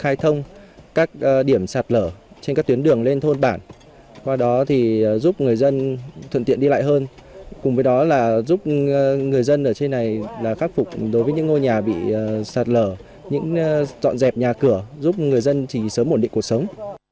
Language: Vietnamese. khai thông các điểm sạt lở trên các tuyến đường lên thôn bản qua đó thì giúp người dân thuận tiện đi lại hơn cùng với đó là giúp người dân ở trên này khắc phục đối với những ngôi nhà bị sạt lở những dọn dẹp nhà cửa giúp người dân sớm ổn định cuộc sống